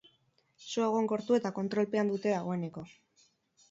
Sua egonkortu eta kontrolpean dute dagoeneko.